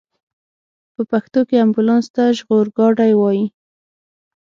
په پښتو کې امبولانس ته ژغورګاډی وايي.